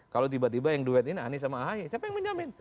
kalau tiba tiba yang duet ini anies sama ahy siapa yang menjamin